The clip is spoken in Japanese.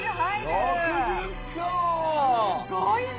すごいね！